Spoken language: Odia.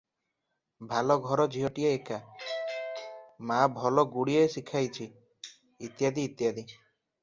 ଭାଲ ଘର ଝିଅଟିଏ ଏକା, ମା ଭଲ ଗୁଡ଼ିଏ ଶିଖାଇଛି, ଇତ୍ୟାଦି ଇତ୍ୟାଦି ।